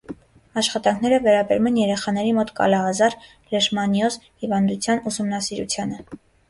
Աշխատանքները վերաբերում են երեխաների մոտ կալա ազար (լեշմանիոզ) հիվանդության ուսումնասիրությանը։